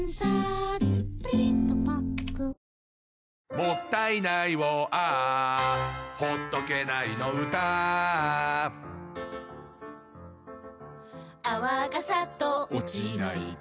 「もったいないをＡｈ」「ほっとけないの唄Ａｈ」「泡がサッと落ちないと」